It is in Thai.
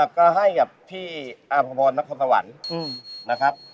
ก็ให้กับพี่อภพรนักธวรรณนะครับ